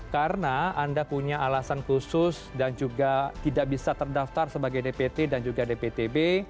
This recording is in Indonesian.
karena anda punya alasan khusus dan juga tidak bisa terdaftar sebagai dpt dan juga dptb